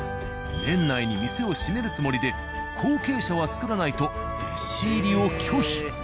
年内に店を閉めるつもりで後継者は作らないと弟子入りを拒否。